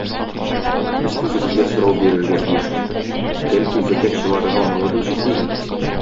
Без үзебезгә сорау бирергә тиешле: бәлки, зәкят чыгарырга малыбыз җитмидер?